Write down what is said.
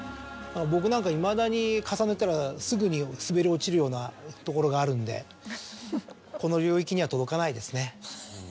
僕なんかいまだに重ねたらすぐに滑り落ちるようなところがあるんでこの領域には届かないですね。